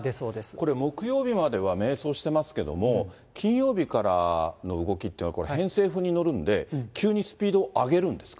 これ、木曜日までは迷走してますけども、金曜日からの動きっていうのは、これ、偏西風に乗るんで、急にスピード上げるんですか？